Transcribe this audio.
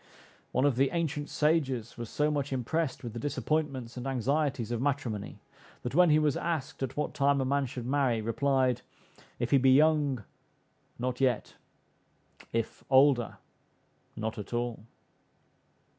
One of the ancient sages was so much impressed with the disappointments and anxieties of matrimony, that when he was asked, at what time, a man should marry? replied, "If he be young, not yet; if older, not at all."